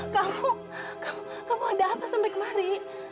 kamu kamu ada apa sampai kemari